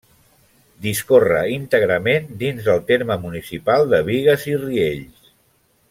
Discorre íntegrament dins del terme municipal de Bigues i Riells.